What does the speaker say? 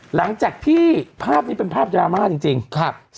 หลังจากที่ภาพนี้เป็นภาพดราม่าจริงครับ